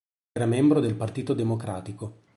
Era membro del Partito Democratico.